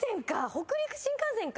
「北陸新幹線」か。